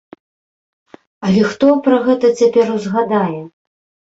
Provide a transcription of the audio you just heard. Але хто пра гэта цяпер узгадае?